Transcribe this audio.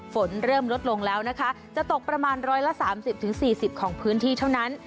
ฝนเริ่มลดลงแล้วนะคะจะตกประมาณ๑๓๐๔๐ของพื้นที่เท่านั้น